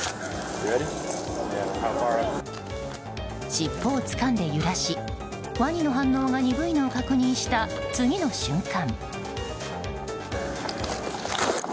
しっぽをつかんで揺らしワニの反応が鈍いのを確認した次の瞬間。